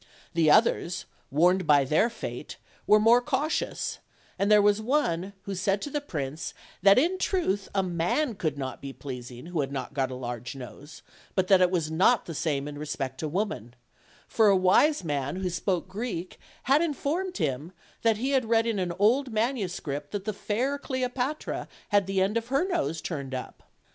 The others, warned by their fate, were more cautious, and there was one who said to the prince that in truth a man could not be pleasing who had not got a large nose, but that it was not the same in respect to woman; for a wise man who spoke Greek had informed him that he had read in an old manuscript that the fair Cleopatra had the end of her nose turned up.